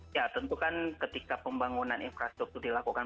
ya tentu kan ketika pembangunan infrastruktur dilakukan